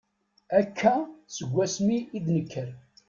Akka, seg wasmi i d-nekker.